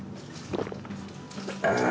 ああ！